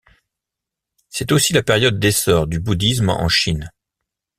C'est aussi la période d'essor du bouddhisme en Chine.